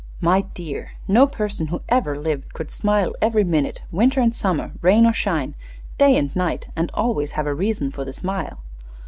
"My dear, no person who ever lived could smile every minute, winter and summer, rain or shine, day and night, and always have a reason for the smile."